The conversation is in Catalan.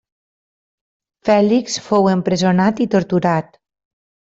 Fèlix fou empresonat i torturat.